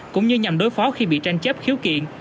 cũng như nhằm đối phó khi bị tranh chấp khiếu kiện